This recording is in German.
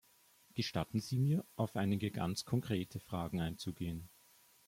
Gestatten Sie mir, auf einige ganz konkrete Fragen einzugehen.